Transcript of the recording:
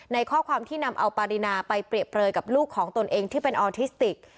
ข้อความที่นำเอาปารินาไปเปรียบเปลยกับลูกของตนเองที่เป็นออทิสติก